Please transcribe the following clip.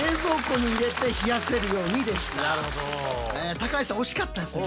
高橋さん惜しかったですね。